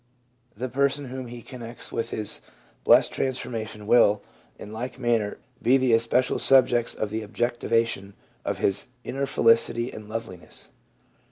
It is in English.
The persons whom he connects with his blessed transformation will, in like manner, be the especial subjects of the objectivation of his inner felicity and love liness.